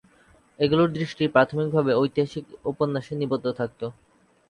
এগুলির দৃষ্টি প্রাথমিকভাবে ঐতিহাসিক উপন্যাসে নিবদ্ধ থাকত।